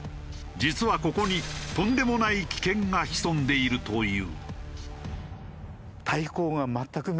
実はここにとんでもない危険が潜んでいるという。